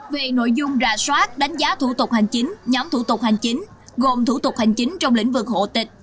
về nội dung ra soát đánh giá thủ tục hành chính nhóm thủ tục hành chính gồm thủ tục hành chính trong lĩnh vực hộ tịch